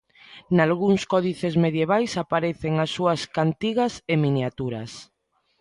Nalgúns códices medievais aparecen as súas cantigas e miniaturas.